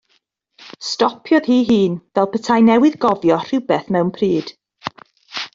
Stopiodd hi'i hun fel petai newydd gofio rhywbeth mewn pryd.